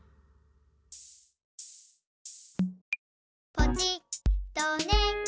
「ポチッとね」